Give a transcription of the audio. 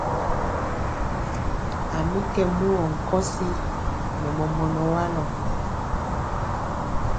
A mi kɛ mugɔ nkɔsi nɛ mɔmɔnɔ walɔ.